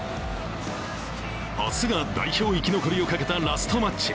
明日が代表生き残りをかけたラストマッチ。